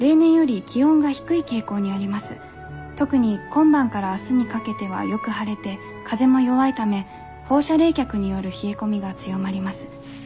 特に今晩から明日にかけてはよく晴れて風も弱いため放射冷却による冷え込みが強まります。